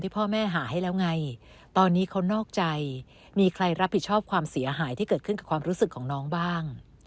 ผิดชอบความเสียหายที่เกิดขึ้นกับความรู้สึกของน้องบ้าง